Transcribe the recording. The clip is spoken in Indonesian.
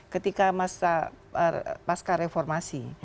ketika pasca reformasi